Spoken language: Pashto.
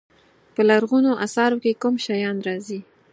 په لرغونو اثارو کې کوم شیان راځي.